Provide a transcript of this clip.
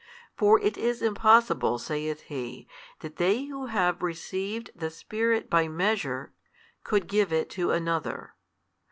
For it is impossible, saith he, that they who have received the Spirit by measure, could give It to another.